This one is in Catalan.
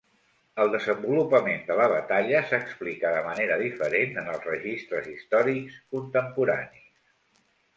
El desenvolupament de la batalla s'explica de manera diferent en els registres històrics contemporanis.